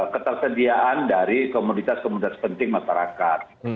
ketersediaan dari komunitas komunitas penting masyarakat